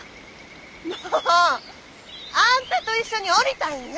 もう！あんたと一緒におりたいんよ！